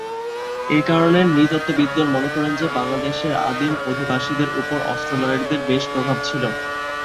এসব কারণে নৃতত্ত্ববিদগণ মনে করেন যে, বাংলাদেশের আদিম অধিবাসীদের ওপর অস্ট্রোলয়েডদের বেশ প্রভাব ছিল।